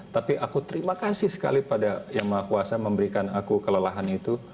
tapi aku terima kasih sekali pada yang maha kuasa memberikan aku kelelahan itu